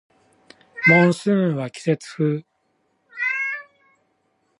モンスーンは季節風